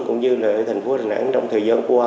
cũng như là thành phố đà nẵng trong thời gian qua